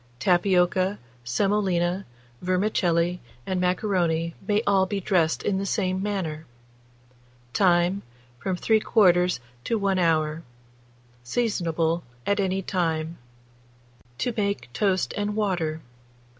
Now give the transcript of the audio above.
Tapioca, semolina, vermicelli, and macaroni, may all be dressed in the same manner. Time. From 3/4 to 1 hour. Seasonable at any time. TO MAKE TOAST AND WATER.